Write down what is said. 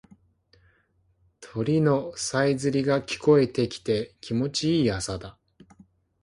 鳥のさえずりが聞こえてきて気持ちいい朝だ。